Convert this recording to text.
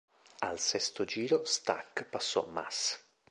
Al sesto giro Stuck passò Mass.